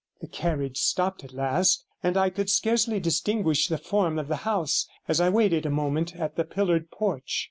The carriage stopped at last, and I could scarcely distinguish the form of the house, as I waited a moment at the pillared porch.